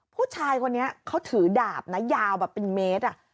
ผู้ชายคนนี้เขาถือดาบนะยาวแบบเป็นเมตร